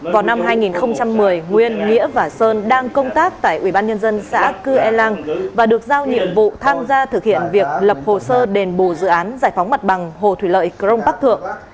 vào năm hai nghìn một mươi nguyên nghĩa và sơn đang công tác tại ubnd xã cư e lang và được giao nhiệm vụ tham gia thực hiện việc lập hồ sơ đền bù dự án giải phóng mặt bằng hồ thủy lợi crong bắc thượng